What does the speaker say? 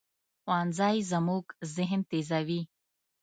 ښوونځی زموږ ذهن تیزوي